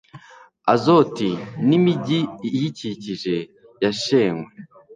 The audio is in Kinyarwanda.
azoti n'imigi iyikikije yashenywe